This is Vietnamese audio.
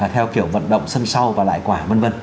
theo kiểu vận động sân sau và lại quả v v